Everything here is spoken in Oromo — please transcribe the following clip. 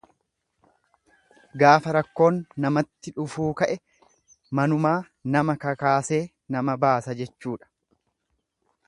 Gaafa rakkoon namatti dhufuu ka'e manumaa nama kakaasee nama baasa jechuudha.